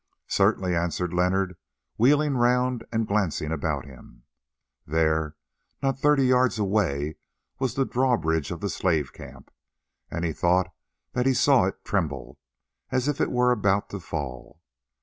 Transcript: "Certainly," answered Leonard, wheeling round and glancing about him. There, not thirty yards away, was the drawbridge of the slave camp, and he thought that he saw it tremble, as if it was about to fall.